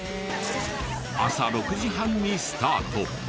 朝６時半にスタート。